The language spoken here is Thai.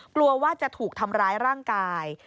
กลัวว่าจะถูกทำร้ายร่างกาย